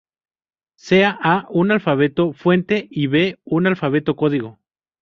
Sea A un alfabeto fuente y B un alfabeto código.